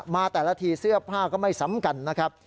แต่ละทีเสื้อผ้าก็ไม่ซ้ำกันนะครับ